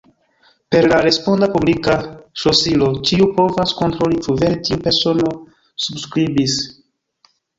Per la responda publika ŝlosilo ĉiu povas kontroli, ĉu vere tiu persono subskribis.